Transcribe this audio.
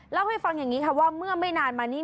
เล่าให้ฟังอย่างนี้ค่ะว่าเมื่อไม่นานมานี้